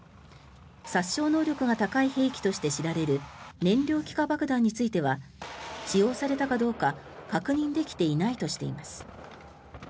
殺傷能力が高い兵器として知られる燃料気化爆弾については使用されたかどうか確認できていないとしています。